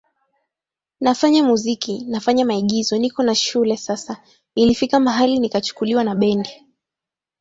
nafanya muziki nafanya maigizo niko na shule sasa ilifika mahali nikachukuliwa na bendi